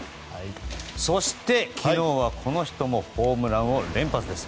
そして、昨日はこの人もホームランを連発です。